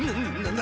何！？